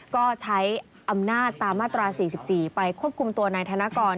ก็ใช้อำนาจตามมาตรา๔๔ไปควบคุมตัวนายธนกร